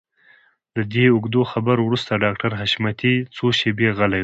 له دې اوږدو خبرو وروسته ډاکټر حشمتي څو شېبې غلی شو.